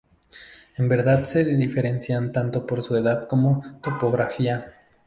En verdad se diferencian tanto por su edad como topografía.